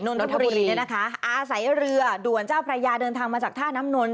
นทบุรีเนี่ยนะคะอาศัยเรือด่วนเจ้าพระยาเดินทางมาจากท่าน้ำนนท